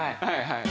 はい。